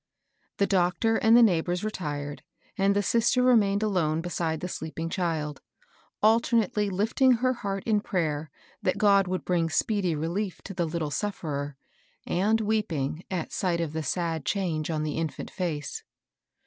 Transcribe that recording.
77 The doctor and the neighbors retired, and the sister remained alone beside the sleeping child, alternately lifting her heart in prayer that God would bring speedy relief to the Httle sufferer, and weeping at sight of the sad change on the infant face.